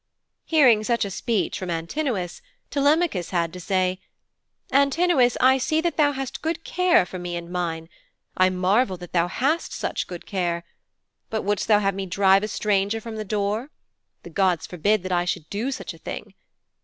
Hearing such a speech from Antinous, Telemachus had to say, 'Antinous, I see that thou hast good care for me and mine. I marvel that thou hast such good care. But wouldst thou have me drive a stranger from the door? The gods forbid that I should do such a thing.